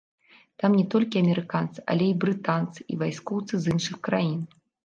Там не толькі амерыканцы, але і брытанцы, і вайскоўцы з іншых краін.